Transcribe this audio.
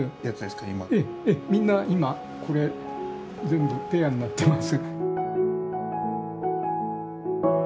みんな今これ全部ペアになってます。